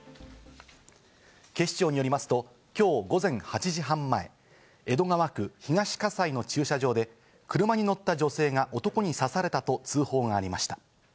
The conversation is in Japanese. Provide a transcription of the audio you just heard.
警視庁によりますと今日午前８時半前、江戸川区東葛西の駐車場で車に乗った女性が男に刺されたと通報がありました。